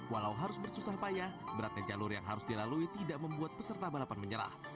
walau harus bersusah payah beratnya jalur yang harus dilalui tidak membuat peserta balapan menyerah